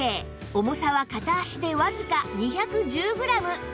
重さは片足でわずか２１０グラム